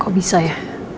kok bisa ya